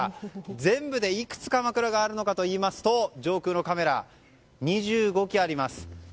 全部で、いくつかまくらがあるのかといいますと上空のカメラで見て２５基あります。